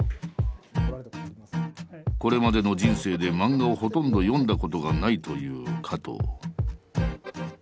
これまでの人生で漫画をほとんど読んだことがないという加藤。